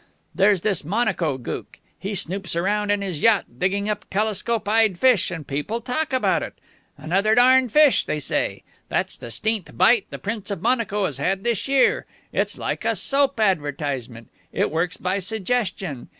There's this Monaco gook. He snoops around in his yacht, digging up telescope eyed fish, and people talk about it. 'Another darned fish,' they say. 'That's the 'steenth bite the Prince of Monaco has had this year.' It's like a soap advertisement. It works by suggestion.